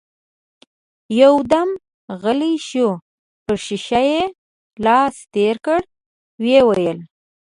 يودم غلی شو، پر شيشه يې لاس تېر کړ، ويې ويل: